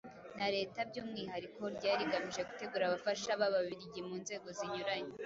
na Leta by'umwihariko ryari rigamije gutegura abafasha b'Ababiligi mu nzego zinyuranye